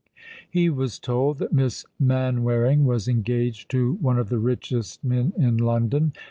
He was told that Miss Manwaring was engaged to one of the richest men in London.